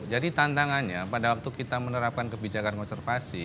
jadi tantangannya pada waktu kita menerapkan kebijakan konservasi